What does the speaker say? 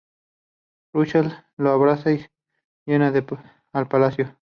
Rusalka lo abraza y se la lleva al palacio.